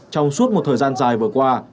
trong suốt một thời gian dài vừa qua